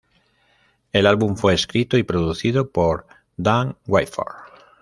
El álbum fue escrito y producido por Dan Whitford.